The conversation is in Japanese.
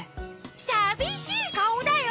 さびしいかおだよ！